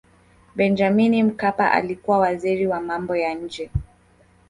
benjamini mkapa alikuwa waziri wa mambo ya nje